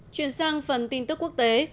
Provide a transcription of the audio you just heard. chuyển sang phần tin tức quốc tế